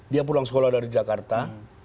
dia pulang sekolah dari jakarta